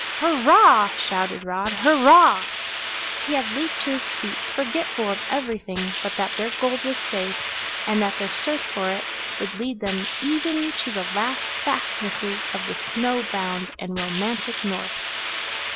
"Hurrah!" shouted Rod. "Hurrah " He had leaped to his feet, forgetful of everything but that their gold was safe, and that their search for it would lead them even to the last fastnesses of the snow bound and romantic North.